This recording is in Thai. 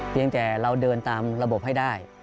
เพียงแต่เราเดินตามระบบให้ได้